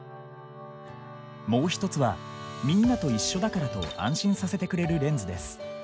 もう一つは「みんなと一緒だから」と安心させてくれるレンズです。